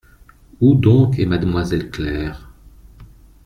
Où donc est mademoiselle Claire ?.